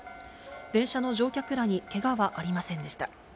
電車の乗客らにけがはありませんでした。